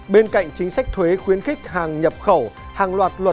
bên cạnh chính sách thuế khuyến khích hàng nhập khẩu